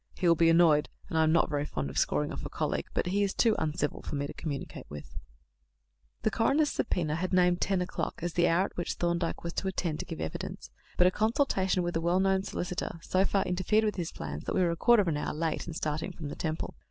He will be annoyed, and I am not very fond of scoring off a colleague; but he is too uncivil for me to communicate with." The coroner's subpoena had named ten o'clock as the hour at which Thorndyke was to attend to give evidence, but a consultation with a well known solicitor so far interfered with his plans that we were a quarter of an hour late in starting from the Temple.